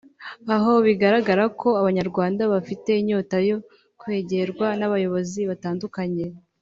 aho bigaragara ko abanyarwanda bafite inyota yo kwegerwa n’abayobozi batandukanye